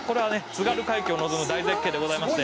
津軽海峡を望む大絶景でございまして」